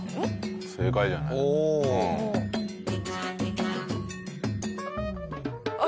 正解じゃない？ああ！